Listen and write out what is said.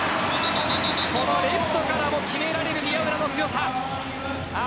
レフトからも決められる宮浦の強さ。